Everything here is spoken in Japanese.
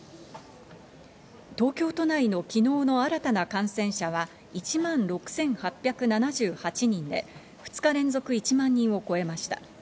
東京都内の昨日の新たな感染者は、１万６８７８人で２日連続１万人を超えました。